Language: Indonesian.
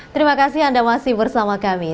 terima kasih anda masih bersama kami